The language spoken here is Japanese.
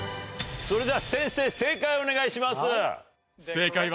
それでは先生正解をお願いします。